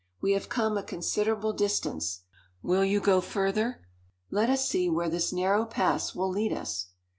We have come a considerable distance. Will you go further?" "Let us see where this narrow pass will lead us."